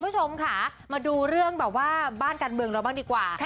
คุณผู้ชมค่ะมาดูเรื่องแบบว่าบ้านการเมืองเราบ้างดีกว่า